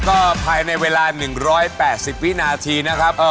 ก็ภายในเวลา๑๘๐วินาทีนะครับ